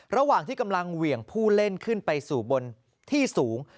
ระหว่างที่กำลังเหวี่ยงผู้เล่นขึ้นไปสู่บนที่สูง